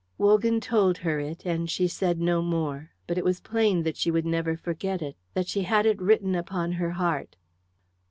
Wogan told her it, and she said no more; but it was plain that she would never forget it, that she had written it upon her heart.